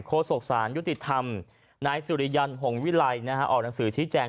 โศกสารยุติธรรมนายสุริยันหงวิลัยออกหนังสือชี้แจง